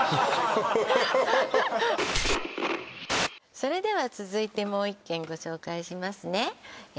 それでは続いてもう一軒ご紹介しますねえ